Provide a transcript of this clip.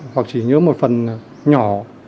hoặc chỉ nhớ một phần nhỏ